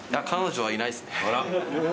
あら？